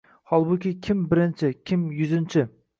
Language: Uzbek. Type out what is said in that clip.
Holbuki, kim “birinchi”, kim “yuzinchi”